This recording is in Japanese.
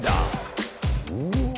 うわ。